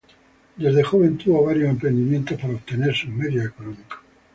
Desde joven tuvo varios emprendimientos para obtener sus medios económicos.